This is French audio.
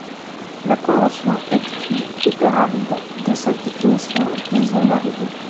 La convention exclut hyper-arides de sa définition des zones arides.